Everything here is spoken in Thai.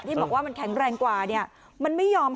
ที่บอกว่ามันแข็งแรงกว่าเนี่ย